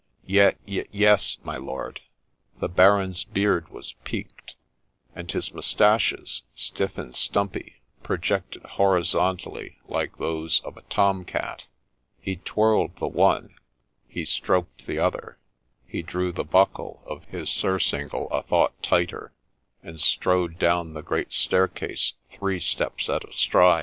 ' Ye — ye — yes, my lord.' The Baron's beard was peaked ; and his mustaches, stiff and stumpy, projected horizontally like those of a Tom Cat : he twirled the one, he stroked the other, he drew the buckle of his surcingle a thought tighter, and strode down the great staircase three steps at a stride.